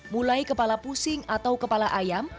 mulai kepala pusing atau kepala ayam